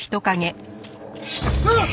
うわっ！